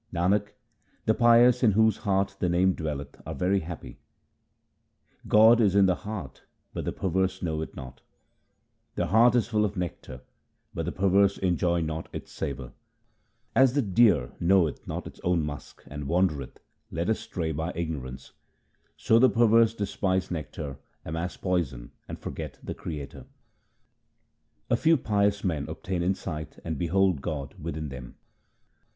Nanak, the pious in whose heart the Name dwelleth are very happy. 220 THE SIKH RELIGION God is in the heart, but the perverse know it not :— The heart is full of nectar, but the perverse enjoy not its savour. As the deer knoweth not its own musk, and wandereth, led astray by ignorance, So the perverse despise nectar, amass poison, and forget the Creator. A few pious men obtain insight and behold God within them.